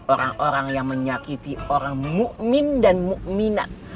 orang orang yang menyakiti orang mu'min dan mu'minat